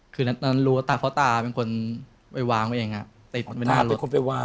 คือนั้นรู้ว่าตากเพราะตาเป็นคนไปวางไว้เองติดไปหน้ารถ